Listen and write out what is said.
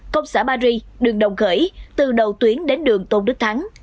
công xã paris đường đồng khởi từ đầu tuyến đến đường tôn đức thắng